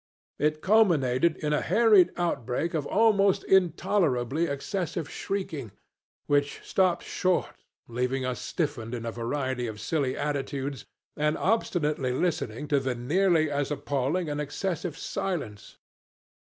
It culminated in a hurried outbreak of almost intolerably excessive shrieking, which stopped short, leaving us stiffened in a variety of silly attitudes, and obstinately listening to the nearly as appalling and excessive silence.